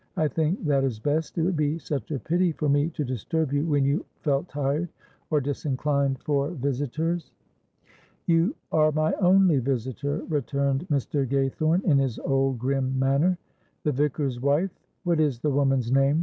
I think that is best; it would be such a pity for me to disturb you when you felt tired or disinclined for visitors." "You are my only visitor," returned Mr. Gaythorne, in his old grim manner. "The Vicar's wife what is the woman's name?